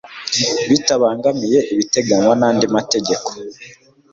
bitabangamiye ibiteganywa n'andi mategeko